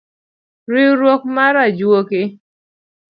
Riwruok mar ajwoke.